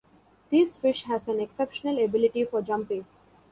These fish has an exceptional ability for jumping.